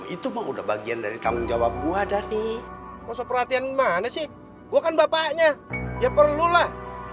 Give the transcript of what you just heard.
itu udah bagian dari tanggung jawab gua dan nih perhatian mana sih bukan bapaknya ya perlu lah